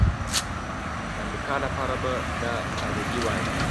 د امریکا لپاره به دا سادګي وای.